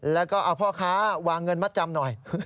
แล้วก็เอาพ่อค้าวางเงินมัดจำหน่อย